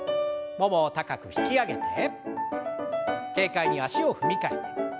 ももを高く引き上げて軽快に足を踏み替えて。